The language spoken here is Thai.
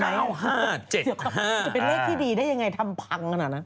๙บก๙๕๗๕จะเป็นเลขที่ดีได้อย่างไรทำพังอ่ะนะ